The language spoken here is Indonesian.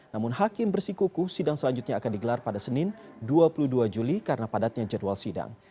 namun hakim bersikuku sidang selanjutnya akan digelar pada senin dua puluh dua juli karena padatnya jadwal sidang